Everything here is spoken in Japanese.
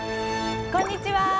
こんにちは。